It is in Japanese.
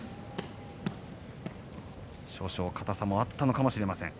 少々、硬さもあったのかもしれません。